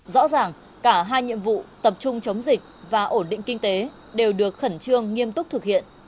rõ ràng cả hai nhiệm vụ tập trung chống dịch và ổn định kinh tế đều được khẩn trương nghiêm túc thực hiện